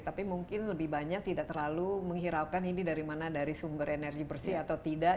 tapi mungkin lebih banyak tidak terlalu menghiraukan ini dari mana dari sumber energi bersih atau tidak